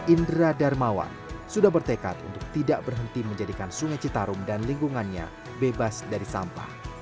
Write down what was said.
indra darmawan sudah bertekad untuk tidak berhenti menjadikan sungai citarum dan lingkungannya bebas dari sampah